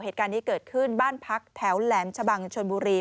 เหตุการณ์นี้เกิดขึ้นบ้านพักแถวแหลมชะบังชนบุรี